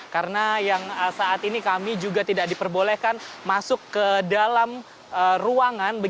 karena yang saat ini kami juga tidak diperbolehkan masuk ke dalam ruangan